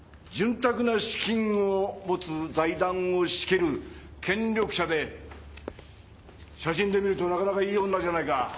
潤沢な資金を持つ財団を仕切る権力者で写真で見るとなかなかいい女じゃないか。